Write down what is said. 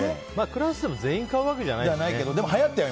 クラスでも全員買うわけじゃないですからね。